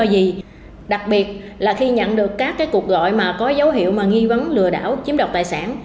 đặc biệt là khi nhận được các cuộc gọi có dấu hiệu nghi vấn lừa đảo chiếm đoạt tài sản